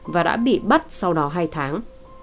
và đã bị bắt sau đó hai tháng